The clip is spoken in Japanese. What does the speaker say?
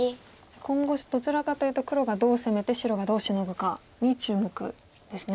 今後どちらかというと黒がどう攻めて白がどうシノぐかに注目ですね。